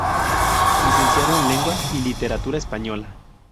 Licenciado en Lengua y Literatura Española.